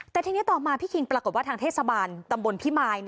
แต่ทีนี้ต่อมาพี่คิงปรากฏว่าทางเทศบาลตำบลพิมาย